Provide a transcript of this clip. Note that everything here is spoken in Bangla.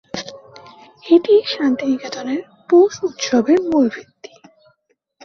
এটিই শান্তিনিকেতনের "পৌষ উৎসবে"র মূল ভিত্তি।